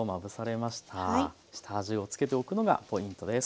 下味を付けておくのがポイントです。